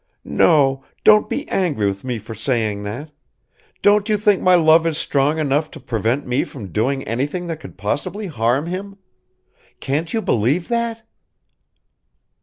No, don't be angry with me for saying that! Don't you think my love is strong enough to prevent me from doing anything that could possibly harm him? Can't you believe that?"